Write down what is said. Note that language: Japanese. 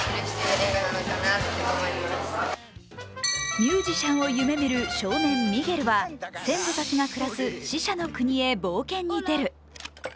ミュージシャンを夢見る少年、ミゲルは先祖たちが暮らす死者の国へ冒険に出る。